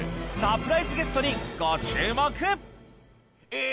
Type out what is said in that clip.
え